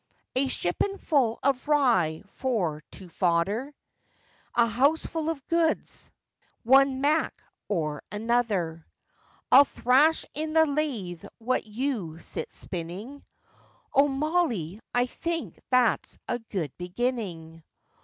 'A shippen full of rye for to fother, A house full of goods, one mack or another; I'll thrash in the lathe while you sit spinning, O, Molly, I think that's a good beginning.